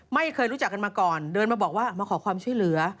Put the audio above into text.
ไม่เคยรู้จักกันมาก่อนเดินมาบอกว่ามาขอความช่วยเหลือ